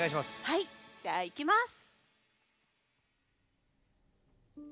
はいじゃあいきます。